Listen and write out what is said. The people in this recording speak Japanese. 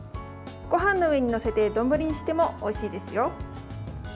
ごはんの上に載せて丼にしてもおいしいですよ。